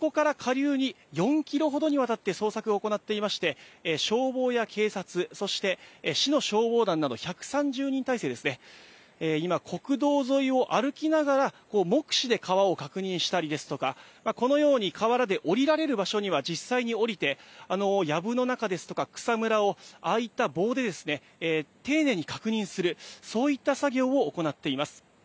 そこから下流に４キロほどにわたって捜索を行っていまして、消防や警察、そして市の消防団など１３０人態勢ですね、今、国道沿いを歩きながら目視で川を確認したりですとか、このように河原でおりられる場所には実際におりて、やぶの中ですとか、草むらを棒でですね、丁寧に確認する、そういった作業を行っています。